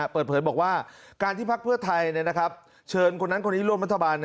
เปิดเผยบอกว่าการที่พักเพื่อไทยเชิญคนนั้นคนนี้ร่วมรัฐบาล